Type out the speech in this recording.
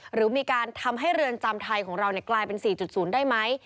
หรือมีการทำให้เรือนจำไทยของเรากลายเป็น๔๐ได้ไหม